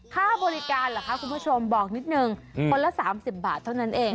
ค่าบริการเหรอคะคุณผู้ชมบอกนิดนึงคนละ๓๐บาทเท่านั้นเอง